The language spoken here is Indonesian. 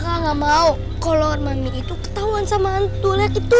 kakak gak mau kalau ormandy itu ketauan sama anto lihat itu